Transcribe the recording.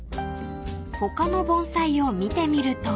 ［他の盆栽を見てみると］